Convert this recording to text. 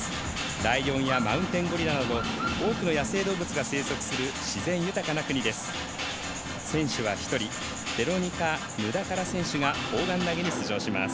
ライオンやマウンテンゴリラなど多くの野生動物が生息する自然豊かな国です。